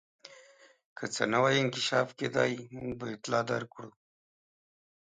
که څه نوی انکشاف کېدی موږ به اطلاع درکړو.